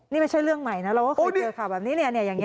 นี่ไม่ใช่เรื่องใหม่นะเราก็เคยเจอค่ะแบบนี้อย่างนี้